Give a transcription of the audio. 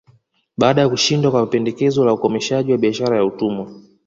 Baada ya kushindwa kwa pendekezo la ukomeshaji wa biashara ya utumwa